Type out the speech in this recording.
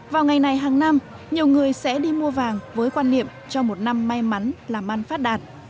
vào ngày này hàng năm nhiều người sẽ đi mua vàng với quan niệm cho một năm may mắn làm ăn phát đạt